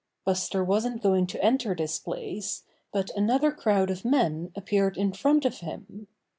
Buster wasn't going to enter this place, but another crowd of men appeared in front of him.